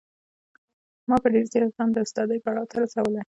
ما په ډېر زیار ځان د استادۍ پړاو ته رسولی